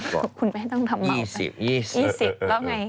คุณไม่ให้ต้องทำเมาค่ะ๒๐แล้วไง